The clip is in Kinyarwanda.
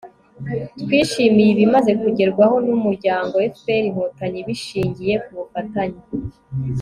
twishimiye ibimaze kugerwaho n'umuryango fpr-inkotanyi bishingiye kubufatanye